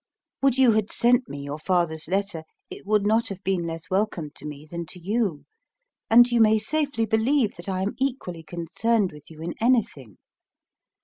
Would you had sent me your father's letter, it would not have been less welcome to me than to you; and you may safely believe that I am equally concerned with you in anything.